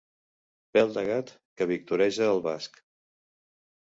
Pèl de gat que victoreja el basc.